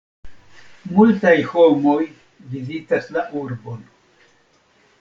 Multaj homoj vizitas la urbon.